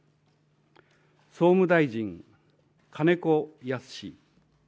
総務大臣、金子恭之。